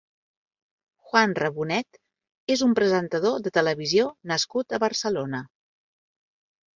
Juanra Bonet és un presentador de televisió nascut a Barcelona.